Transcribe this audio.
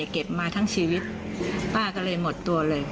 เก็บมาทั้งชีวิตป้าก็เลยหมดตัวเลย